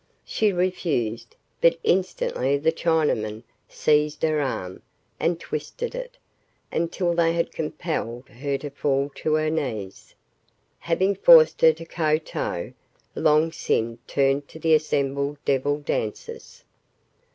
She refused, but instantly the Chinamen seized her arm and twisted it, until they had compelled her to fall to her knees. Having forced her to kowtow, Long Sin turned to the assembled devil dancers.